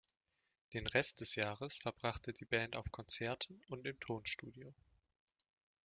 Den Rest des Jahres verbrachte die Band auf Konzerten und im Tonstudio.